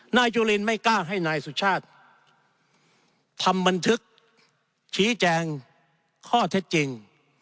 นายจุลินไม่กล้าให้นายสุชาติทำบันทึกชี้แจงข้อเท็จจริง